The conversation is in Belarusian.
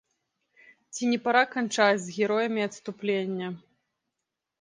Ці не пара канчаць з героямі адступлення?